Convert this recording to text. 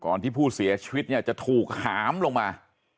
ที่ผู้เสียชีวิตเนี่ยจะถูกหามลงมา